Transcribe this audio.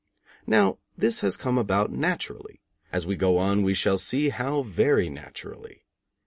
Now this has come about naturally; as we go on we shall see how very naturally.